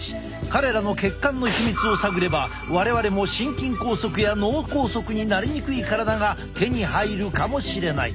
彼らの血管のヒミツを探れば我々も心筋梗塞や脳梗塞になりにくい体が手に入るかもしれない。